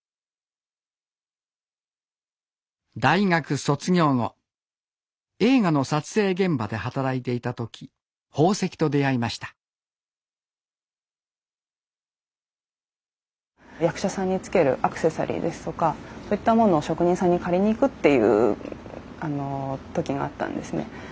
大学卒業後映画の撮影現場で働いていた時宝石と出会いました役者さんにつけるアクセサリーですとかそういったものを職人さんに借りに行くっていう時があったんですね。